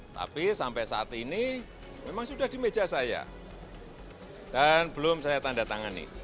tapi sampai saat ini memang sudah di meja saya dan belum saya tanda tangani